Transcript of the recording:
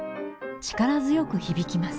力強く響きます。